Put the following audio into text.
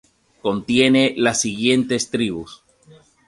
Contiene las siguientes tribus